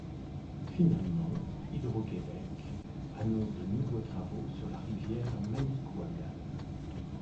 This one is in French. Finalement, Hydro-Québec annonce de nouveaux travaux sur la rivière Manicouagan.